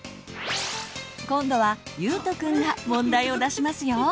今度はゆうとくんが問題を出しますよ。